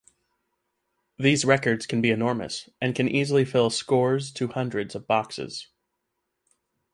These records can be enormous and can easily fill scores to hundreds of boxes.